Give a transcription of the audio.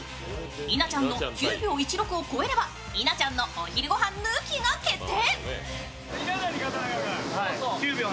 稲ちゃんの９秒１６を超えれば稲ちゃんのお昼抜きが決定。